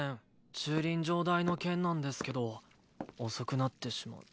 駐輪場代の件なんですけど遅くなってしまっ。